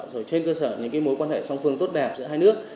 rồi trên cơ sở những mối quan hệ song phương tốt đẹp giữa hai nước